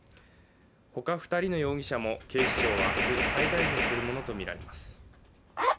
ほか２人の容疑者も警視庁は明日、再逮捕するものはみられます。